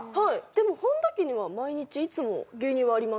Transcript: でも本田家には毎日いつも牛乳はあります。